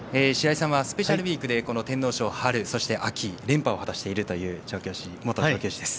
白井さんはスペシャルウィークで天皇賞そして連覇を果たしているという調教師です。